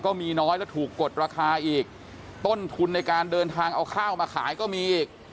น้อยแล้วถูกกดราคาอีกต้นทุนในการเดินทางเอาข้าวมาขายก็มีอีก